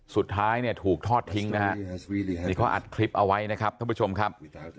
สุดท้ายเนี่ยถูกทอดทิ้งนะฮะนี่เขาอัดคลิปเอาไว้นะครับท่านผู้ชมครับ